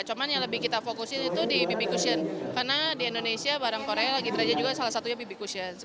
cuman yang lebih kita fokusin itu di bb cushion karena di indonesia barang korea lagi trennya juga salah satunya bb cushion